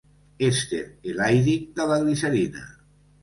Èster elaídic de la glicerina.